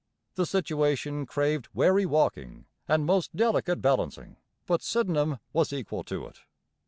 The situation craved wary walking and most delicate balancing; but Sydenham was equal to it.